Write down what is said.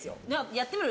やってみる？